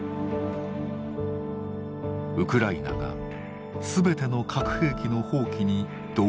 ウクライナが全ての核兵器の放棄に同意したのだ。